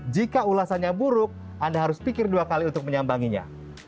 jika ulasannya buruk anda harus pikir dua kali untuk menyambanginya